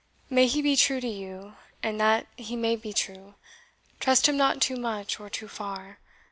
May he be true to you; and that he may be true, trust him not too much or too far.